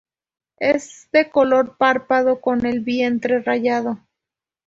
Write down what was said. Es de color pardo, con el vientre rayado.